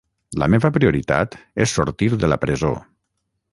La meva prioritat és sortir de la presó.